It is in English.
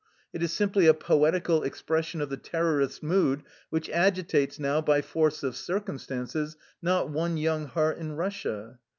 It is simply a poetical expression of the terrorist mood which agitates now, by force of circumstances, not one young heart in Russia.